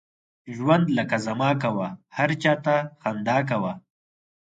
ژوند لکه زما کوه، هر چاته خندا کوه.